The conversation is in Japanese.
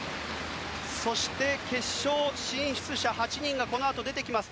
そして、決勝進出者８人がこのあと出てきます。